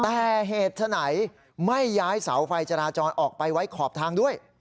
แต่เหตุฉะไหนไม่ย้ายเสาไฟจราจรออกไปไว้ขอบทางด้วย